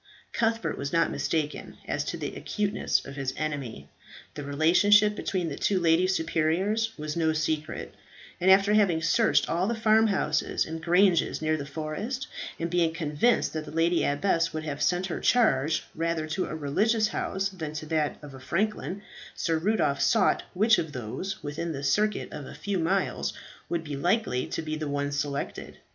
Cuthbert was not mistaken as to the acuteness of his enemy. The relationship between the two lady superiors was no secret, and after having searched all the farmhouses and granges near the forest, and being convinced that the lady abbess would have sent her charge rather to a religious house than to that of a franklin, Sir Rudolph sought which of those within the circuit of a few miles would be likely to be the one selected.